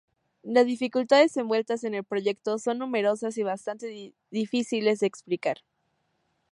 Las dificultades envueltas en el proyecto son numerosas y bastante difíciles de explicar.